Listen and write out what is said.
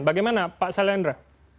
bagaimana pak selendra